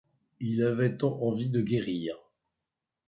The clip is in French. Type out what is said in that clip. Il avait tant envie de guérir